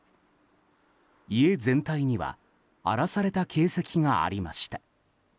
家全体には荒らされた形跡がありました。